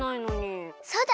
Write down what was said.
そうだ！